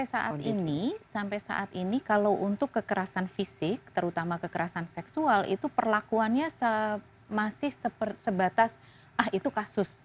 sampai saat ini sampai saat ini kalau untuk kekerasan fisik terutama kekerasan seksual itu perlakuannya masih sebatas ah itu kasus